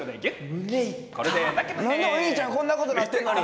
何でお兄ちゃんこんなことなってんのに。